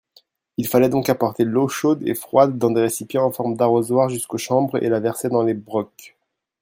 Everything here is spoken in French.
Il fallait donc apporter l’eau chaude et froide dans des récipients en forme d’arrosoir jusqu’aux chambres et la verser dans les brocs.